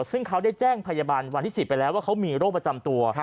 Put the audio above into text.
ซึ่งเขาได้แจ้งพยาบาลวันที่๑๐ไปแล้วว่าเขามีโรคประจำตัว